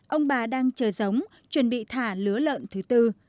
ông bà đang chờ giống chuẩn bị thả lứa lợn thứ tư